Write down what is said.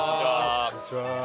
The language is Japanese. こんにちは。